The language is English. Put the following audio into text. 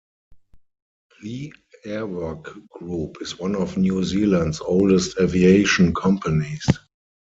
The Airwork group is one of New Zealand's oldest aviation companies.